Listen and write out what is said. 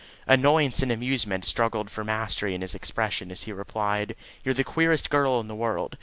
Annoyance and amusement struggled for mastery in his expression as he replied: "You're the queerest girl in the world.